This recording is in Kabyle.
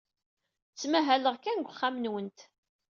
Ttmahaleɣ kan deg uxxam-nwent.